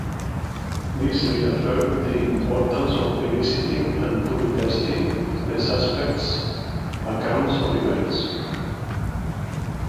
This reaffirmed the importance of eliciting and fully testing the suspects’ accounts of events.